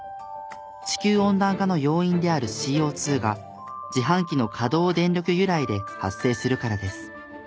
地球温暖化の要因であるＣＯ２が自販機の稼働電力由来で発生するからです。